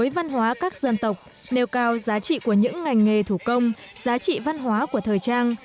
văn hóa các dân tộc nêu cao giá trị của những ngành nghề thủ công giá trị văn hóa của thời trang